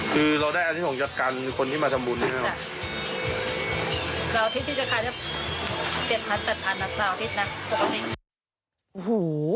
คือเราได้อาทิตย์ของยัดการคนที่มาทำบุญใช่ไหม